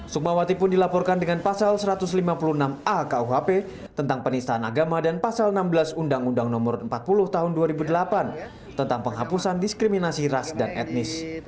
sukmawati pun dilaporkan dengan pasal satu ratus lima puluh enam a kuhp tentang penistaan agama dan pasal enam belas undang undang no empat puluh tahun dua ribu delapan tentang penghapusan diskriminasi ras dan etnis